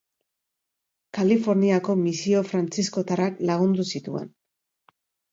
Kaliforniako misio frantziskotarrak lagundu zituen.